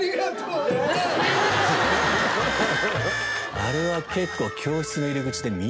あれは結構。